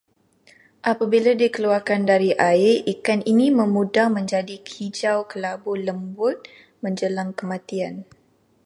Apabila dikeluarkan dari air, ikan ini memudar menjadi hijau-kelabu lembut menjelang kematian